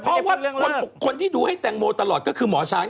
เพราะว่าคนที่ดูให้แตงโมตลอดก็คือหมอช้าง